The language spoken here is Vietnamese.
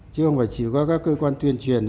chứ không phải chỉ có các cơ quan tuyên truyền